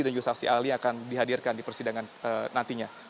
dan juga saksi ahli yang akan dihadirkan di persidangan nantinya